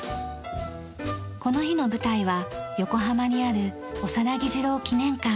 この日の舞台は横浜にある大佛次郎記念館。